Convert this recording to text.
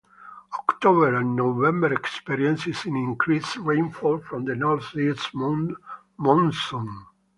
October and November experiences increased rainfall from the Northeast monsoon.